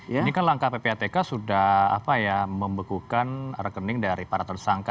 ini kan langkah ppatk sudah membekukan rekening dari para tersangka